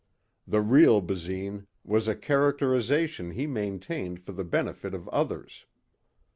The real Basine was a characterization he maintained for the benefit of others.